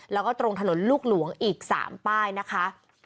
แล้วก็ตรงถนนลูกหลวงอีก๓ป้ายนะคะ